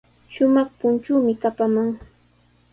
Shumaq punchuumi kapaman.